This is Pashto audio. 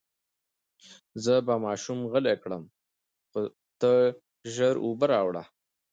زه به ماشوم غلی کړم، خو ته ژر اوبه راوړه.